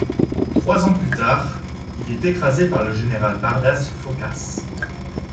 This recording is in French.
Trois ans plus tard, il est écrasé par le général Bardas Phocas.